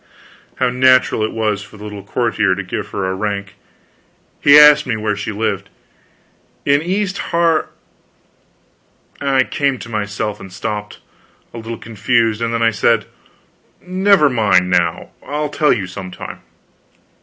How natural it was for the little courtier to give her a rank. He asked me where she lived. "In East Har " I came to myself and stopped, a little confused; then I said, "Never mind, now; I'll tell you some time."